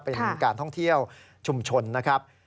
เป็นการท่องเที่ยวชุมชนนะครับ